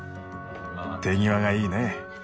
手際がいいね。